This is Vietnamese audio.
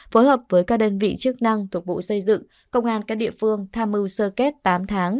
phối hợp với các đơn vị chức năng thuộc bộ xây dựng công an các địa phương tham mưu sơ kết tám tháng